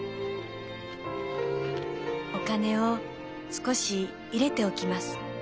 「お金を少し入れておきます。